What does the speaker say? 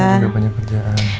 kamu juga punya kerjaan